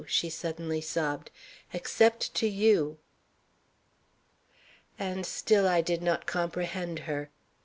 she suddenly sobbed, 'except to you!' And still I did not comprehend her.